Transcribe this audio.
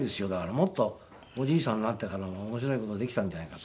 もっとおじいさんになってからも面白い事できたんじゃないかと。